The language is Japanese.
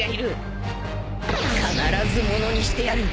必ずものにしてやる。